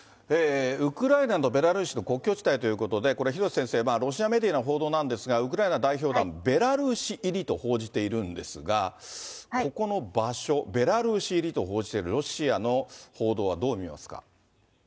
ウクライナとベラルーシの国境地帯ということで、これ、廣瀬先生、ロシアメディアの報道なんですが、ウクライナ代表団、ベラルーシ入りと報じているんですが、ここの場所、ベラルーシ入りと報じているロシアの報道はどう見ますか。